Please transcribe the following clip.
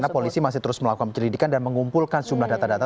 karena polisi masih terus melakukan pencelidikan dan mengumpulkan sumber data data